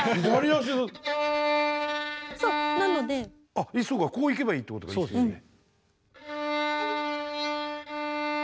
あっそうかこう行けばいいってこと。ですよね。